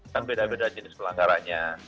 kan beda beda jenis pelanggarannya